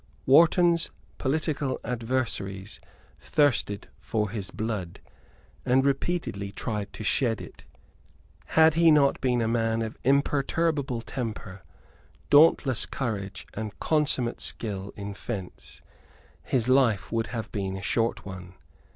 Wharton's political adversaries thirsted for his blood, and repeatedly tried to shed it. Had he not been a man of imperturbable temper, dauntless courage and consummate skill in fence, his life would have been a short one.